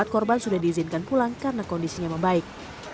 empat korban sudah diizinkan pulang karena kondisinya membaik